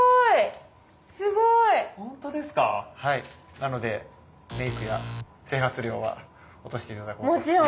なのでメイクや整髪料は落として頂こうと思います。